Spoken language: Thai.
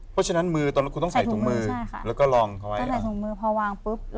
แปดมาเปล่า